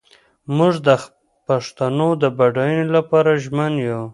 موږ د پښتو د بډاینې لپاره ژمن یو.